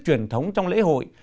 truyền thống trong lễ hội